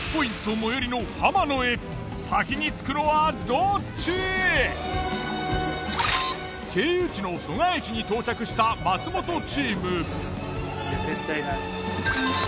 最寄りの浜野へ経由地の蘇我駅に到着した松本チーム。